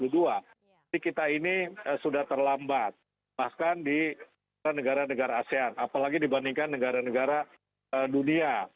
jadi kita ini sudah terlambat bahkan di negara negara asean apalagi dibandingkan negara negara dunia